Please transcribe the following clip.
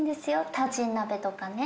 タジン鍋とかね。